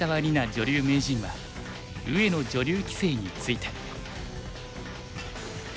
女流名人は上野女流棋聖について。